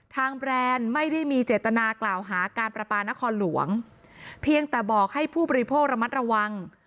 แบรนด์ไม่ได้มีเจตนากล่าวหาการประปานครหลวงเพียงแต่บอกให้ผู้บริโภคระมัดระวัง